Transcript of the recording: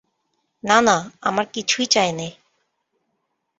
না না, আমার কিছুই চাই নে।